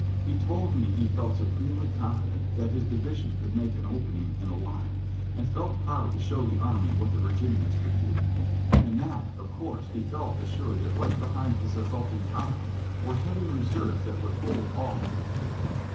He told me he felt supremely confident that his divis ion could make an opening in the line, and felt proud to show the army what the Virginians could do; and that, of course, he felt assured that right behind his assaulting column were heavy re serves that would hold all he could take.